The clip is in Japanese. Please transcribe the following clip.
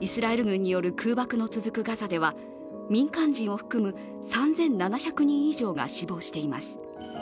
イスラエル軍による空爆の続くガザでは民間人を含む３７００人以上が死亡しています。